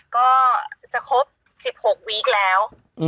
ก็จะครบ๑๖วีคแล้ว